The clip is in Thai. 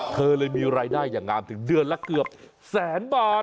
เธอเลยมีรายได้อย่างงามถึงเดือนละเกือบแสนบาท